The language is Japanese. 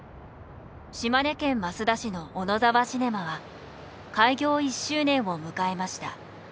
島根県益田市の小野沢シネマは開業１周年を迎えました。